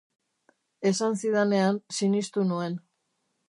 Esan zidanean sinistu nuen.